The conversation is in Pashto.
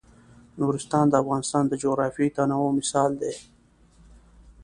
نورستان د افغانستان د جغرافیوي تنوع مثال دی.